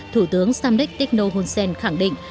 thủ tướng samdek tekno hun sen khẳng định